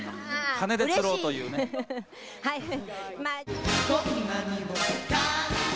金で釣ろうというね・嬉しい